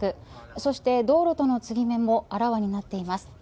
そして道路との継ぎ目もあらわになっています。